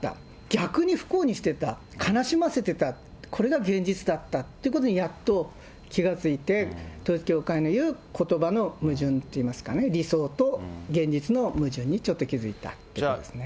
逆に不幸にしてた、悲しませてた、これが現実だったということに、やっと気が付いて、統一教会のいうことばの矛盾といいますかね、理想と現実の矛盾に、ちょっと気付いたということですね。